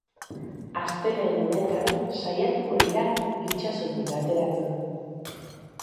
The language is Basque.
Astelehen honetan saiatuko dira itsasotik ateratzen.